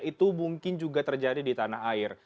itu mungkin juga terjadi di tanah air